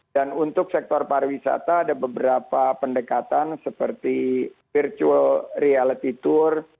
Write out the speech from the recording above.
dan untuk sektor pariwisata ada beberapa pendekatan seperti virtual reality tour